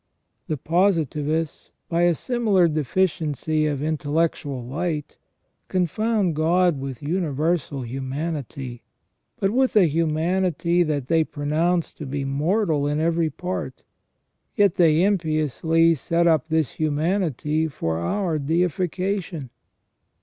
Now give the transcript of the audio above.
The positivists, by a similar deficiency of in tellectual light, confound God with universal humanity, but with a humanity that they pronounce to be mortal in every part, yet they impiously set up this humanity for our deification.